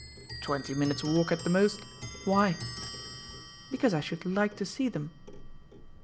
"Twenty minutes' walk at the most. Why?" "Because I should like to see them."